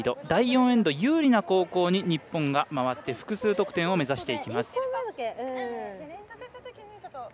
第４エンド、有利な後攻に日本が回って複数得点を目指していきます。